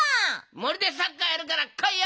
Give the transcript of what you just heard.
森でサッカーやるからこいよ。